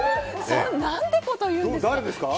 何てこと言うんですか。